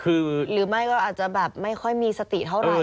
คือหรือไม่ก็อาจจะแบบไม่ค่อยมีสติเท่าไหร่